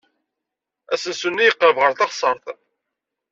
Asensu-nni yeqreb ɣer teɣsert.